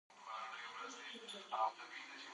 ډیجیټل سیستم د صرافۍ په چارو کې شفافیت راولي.